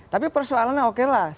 tapi persoalannya oke lah